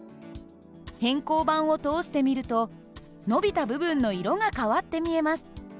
偏光板を通してみると伸びた部分の色が変わって見えます。